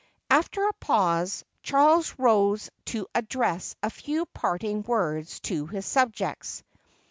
After a pause, Charles rose to address a few parting words to his subjects.